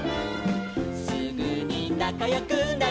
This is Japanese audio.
「すぐになかよくなるの」